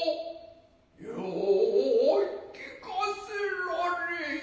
よう聞かせられい。